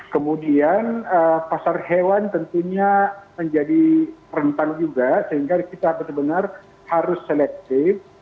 kemudian pasar hewan tentunya menjadi rentang juga sehingga kita harus selektif